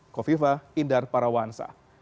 kofifa indar parawansa